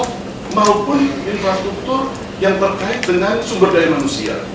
maupun infrastruktur yang terkait dengan sumber daya manusia